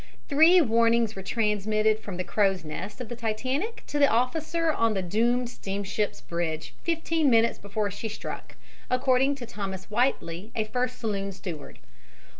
Three warnings were transmitted from the crow's nest of the Titanic to the officer on the doomed steamship's bridge 15 minutes before she struck, according to Thomas Whiteley, a first saloon steward.